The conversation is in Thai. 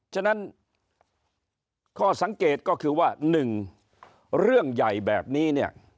ฉะนั้นข้อสังเกตก็คือว่า๑เรื่องใหญ่แบบนี้เนี่ย